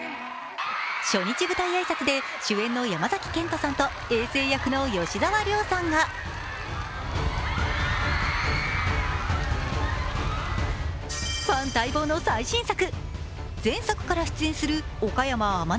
初日舞台挨拶で主演の山崎賢人さんとえい政役の吉沢亮さんがファン待望の最新作。